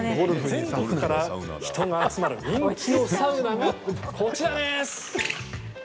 全国から人が集まる人気のサウナがこちらです。